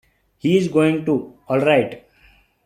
He's going to, all right.